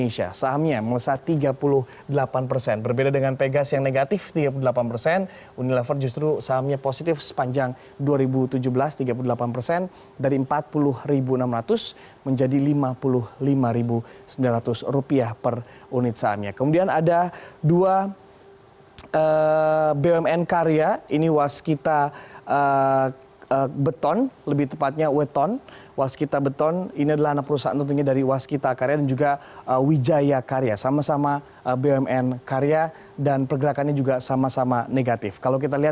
sehingga ini lebih baik